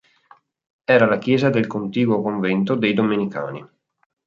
Era la chiesa del contiguo convento dei Domenicani.